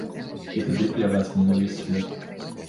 І тады пляваць мне на ўвесь свет.